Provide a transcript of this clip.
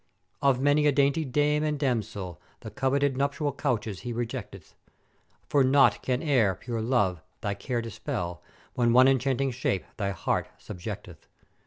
"Of many a dainty dame and damosel The coveted nuptial couches he rejecteth; for naught can e'er, pure Love! thy care dispel, when one enchanting shape thy heart subjecteth.